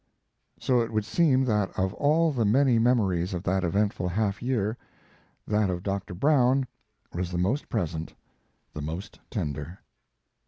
So it would seem that of all the many memories of that eventful half year, that of Dr. Brown was the most present, the most tender.